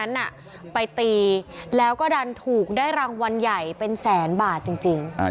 ไปตีแล้วก็ดันถูกได้รางวัลใหญ่เป็นแสนบาทจริง